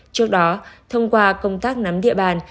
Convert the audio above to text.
trước đó thông qua công tác nắm địa bàn